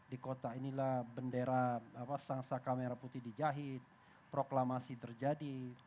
di kota inilah bendera sangsa kamera putih dijahit proklamasi terjadi